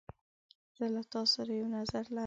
زه له تا سره یو نظر لرم.